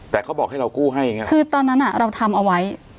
แต่เขาบอกให้เรากู้ให้อย่างเงี้คือตอนนั้นอ่ะเราทำเอาไว้